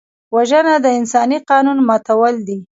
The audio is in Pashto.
وژنه د انساني قانون ماتول دي